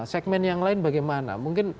segment yang lain bagaimana